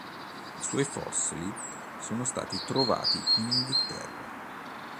I suoi fossili sono stati trovati in Inghilterra.